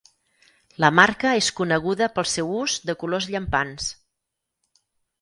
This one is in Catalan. La marca és coneguda pel seu ús de colors llampants.